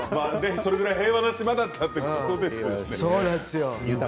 それぐらい平和な島だったっていうことですね。